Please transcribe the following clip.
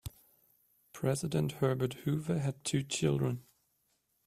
President Herbert Hoover had two children.